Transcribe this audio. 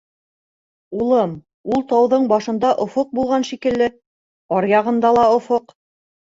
— Улым, ул тауҙың башында офоҡ булған шикелле, аръяғында ла офоҡ.